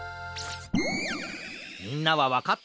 みんなはわかったかな？